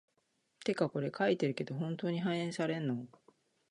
てかこれ書いてるけど、本当に反映されんの？